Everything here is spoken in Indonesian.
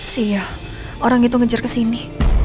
sial orang itu ngejar kesini